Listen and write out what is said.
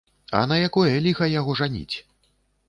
А на якое ліха яго жаніць?